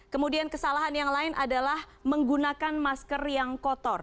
kemudian kesalahan yang lain adalah menggunakan masker yang kotor